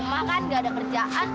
kamu yang kecil